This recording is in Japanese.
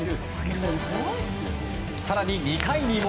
更に２回にも。